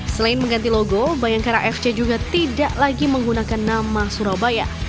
selain mengganti logo bayangkara fc juga tidak lagi menggunakan nama surabaya